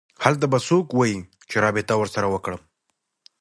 هلته به څوک وي چې رابطه ورسره وکړم